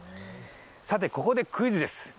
さて、ここでクイズです。